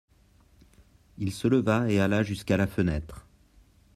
Il se leva et alla jusqu'à la fenêtre.